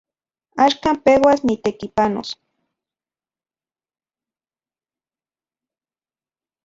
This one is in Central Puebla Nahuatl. Axkan peuas nitekipanos.